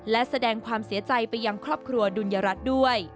และแสดงความเสียใจไปยังครอบครัวดุลยรัฐด้วย